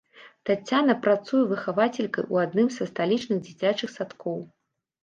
Таццяна працуе выхавацелькай ў адным са сталічных дзіцячых садкоў.